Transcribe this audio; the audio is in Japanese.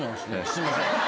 すいません。